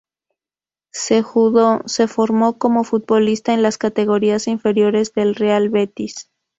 Cejudo se formó como futbolista en las categorías inferiores del Real Betis.